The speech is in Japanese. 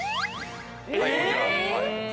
はいこちら。